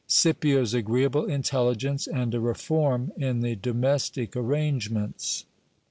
Scipids agreeable intelligence, and a reform in the domestic arrangements.